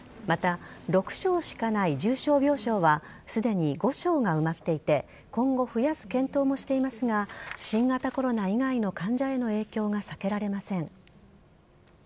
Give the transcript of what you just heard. また、６床しかない重症病床は、すでに５床が埋まっていて、今後、増やす検討もしていますが、新型コロナ以外の患者への影響が避けられません。